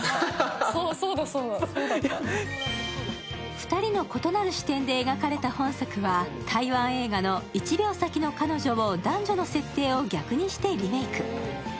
２人の異なる視点で描かれた本作は、台湾映画の「１秒先の彼女」を男女の設定を逆にしてリメーク。